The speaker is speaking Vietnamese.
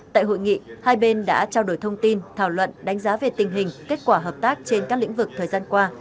tại hội nghị hai bên đã trao đổi thông tin thảo luận đánh giá về tình hình kết quả hợp tác trên các lĩnh vực thời gian qua